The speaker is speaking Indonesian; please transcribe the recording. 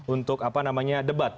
untuk apa namanya debat